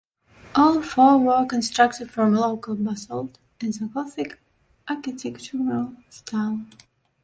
All four were constructed from local basalt in the Gothic architectural style.